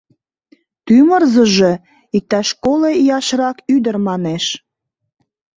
Тӱмырзыжӧ — иктаж коло ияшрак ӱдыр, манеш.